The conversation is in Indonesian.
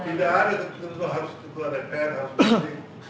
tidak ada tentu tentu harus itu ada prt harus berarti